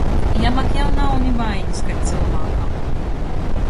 Jam ak jau nav ni vainis kai cylvākam.